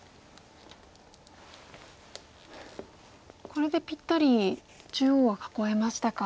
これでぴったり中央は囲えましたか。